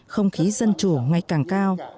không khí dân chủ ngay càng cao